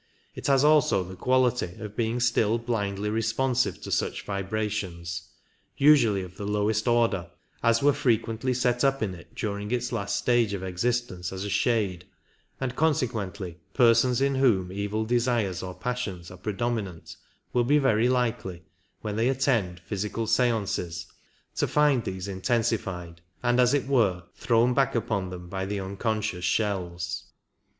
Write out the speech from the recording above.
It has also the quality of being still blindly responsive to such vibrations — usually of 37 the lowest order — as were frequently set up in it during its last stage of existence as a shade, and consequently persons in whom evil desires or passions are predominant will be very likely, when they attend physical seances, to find these intensified and as it were thrown back upon them by the unconscious shells.